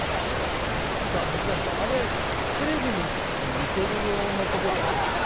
水谷さん、あれ、テレビに見せる用のところじゃなくて？